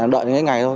đợi mấy ngày thôi